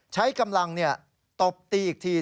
ใช้กำลังตบตีอีกที